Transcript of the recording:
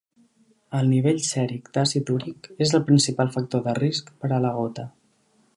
El nivell sèric d'àcid úric és el principal factor de risc per a la gota.